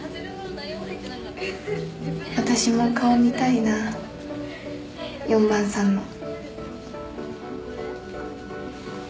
あたしも顔見たいな４番さんの。